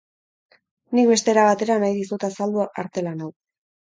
Nik beste era batera nahi dizut azaldu artelan hau.